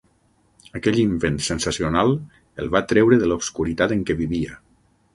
Aquell invent sensacional el va treure de l'obscuritat en què vivia.